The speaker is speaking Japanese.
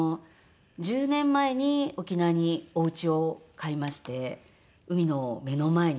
１０年前に沖縄におうちを買いまして海の目の前に。